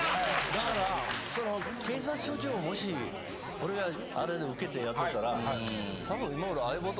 だからその警察署長をもし俺があれで受けてやってたら多分。